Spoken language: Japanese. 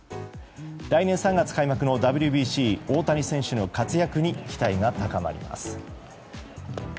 来年３月開幕のＷＢＣ大谷選手の活躍に期待が高まります。